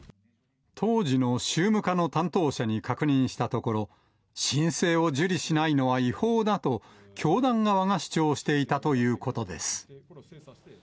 当時の宗務課の担当者に確認したところ、申請を受理しないのは違法だと、教団側が主張していたということです。